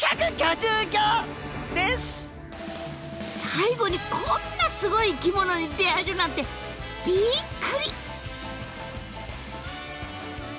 最後にこんなすごい生き物に出会えるなんてびっくり！